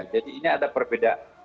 jadi ini ada perbedaan